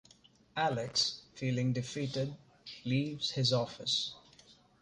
Alex, feeling defeated, leaves his office.